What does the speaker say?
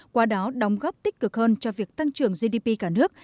qua đó đóng góp tích cực hơn cho việc tăng trưởng gdp cả nước